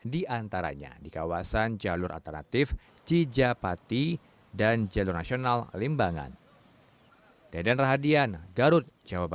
di antaranya di kawasan jalur alternatif cijapati dan jalur nasional limbangan